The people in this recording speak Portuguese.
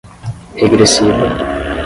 regressiva